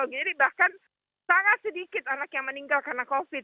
jadi bahkan sangat sedikit anak yang meninggal karena covid